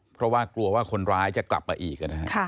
เพราะว่ากลัวว่าคนร้ายจะกลับมาอีกนะฮะ